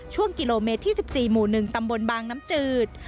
ช่วงกิโลเมตรที่๑๔หมู่๑ตำบลบางน้ำจืด